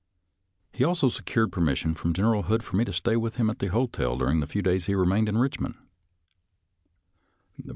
He also secured permis sion from General Hood for me to stay with him at the hotel during the few days he remained in Eichmond.